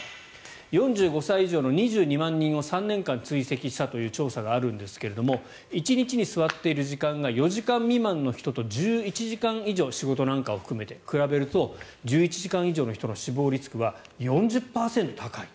４５歳以上の２２万人を３年間追跡したという調査があるんですが１日に座っている時間が４時間未満の人と１１時間以上仕事なんかを含めて比べると１１時間以上の人は死亡リスクが４０％高い。